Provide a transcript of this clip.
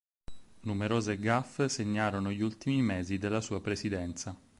Numerose "gaffe" segnarono gli ultimi mesi della sua presidenza.